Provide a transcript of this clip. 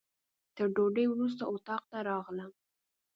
تر ډوډۍ وروسته اتاق ته راغلم.